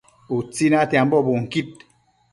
Utsi natiambo bunquid